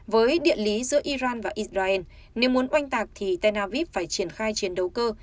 với địa lý giữa iran và israel nếu muốn oanh tạc thì tel aviv phải triển khai chiến đấu cơ